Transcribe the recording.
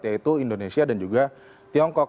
yaitu indonesia dan juga tiongkok